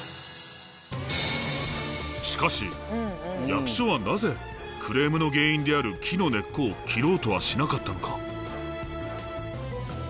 しかし役所はなぜクレームの原因である木の根っこを切ろうとはしなかったのか。